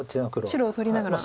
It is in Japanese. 白を取りながら。